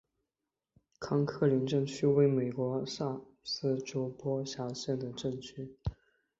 康克林镇区为美国堪萨斯州波尼县辖下的镇区。